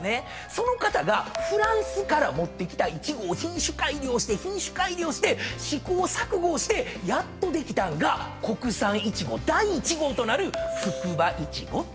その方がフランスから持ってきたいちごを品種改良して品種改良して試行錯誤をしてやっとできたんが国産いちご第１号となる福羽いちごってやつなんです。